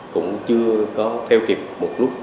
cũng chưa có theo kịp một lúc